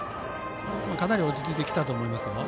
かなり落ち着いてきたと思います。